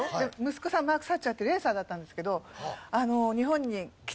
息子さんマーク・サッチャーってレーサーだったんですけど。